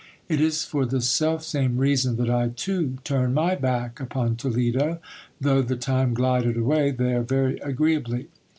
It is for the self same reason that I too turned my back upon Tole do, though the time glided away there very agreeably.